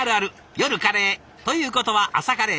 夜カレーということは朝カレーなんちゃって。